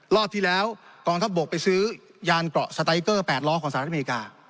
รอบที่แล้วกองทัพบกไปซื้อยานเกราะสไตเกอร์๘ล้อของสหรัฐอเมริกา